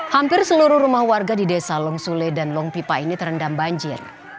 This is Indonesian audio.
hampir seluruh rumah warga di desa long sule dan long pipa ini terendam banjir